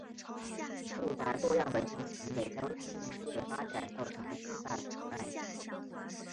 复杂多样的地形给交通运输的发展造成了巨大阻碍。